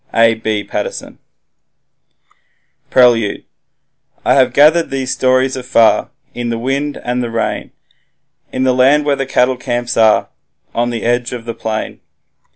A. B. Paterson Prelude I have gathered these stories afar, In the wind and the rain, In the land where the cattle camps are, On the edge of the plain.